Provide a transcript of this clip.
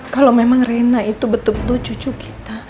kalau memang rina itu betul betul cucu kita